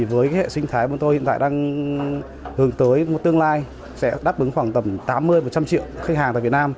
với hệ sinh thái bọn tôi hiện tại đang hướng tới một tương lai sẽ đáp ứng khoảng tầm tám mươi một trăm linh triệu khách hàng tại việt nam